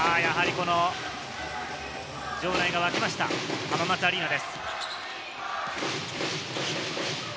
場内が沸きました浜松アリーナです。